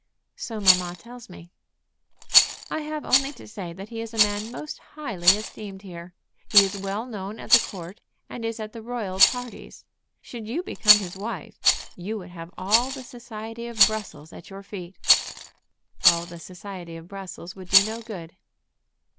"So mamma tells me." "I have only to say that he is a man most highly esteemed here. He is well known at the court, and is at the royal parties. Should you become his wife, you would have all the society of Brussels at your feet." "All the society of Brussels would do no good."